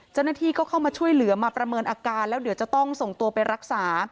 เจ้าหน้าที่ก็เข้ามาช่วยเหลือมาประเมินอาการแล้วเดี๋ยวจะต้องส่งตัวไปรักษา